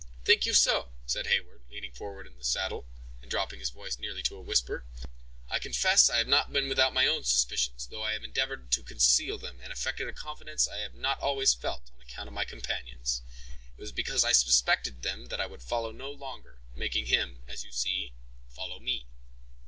"Think you so?" said Heyward, leaning forward in the saddle, and dropping his voice nearly to a whisper; "I confess I have not been without my own suspicions, though I have endeavored to conceal them, and affected a confidence I have not always felt, on account of my companions. It was because I suspected him that I would follow no longer; making him, as you see, follow me."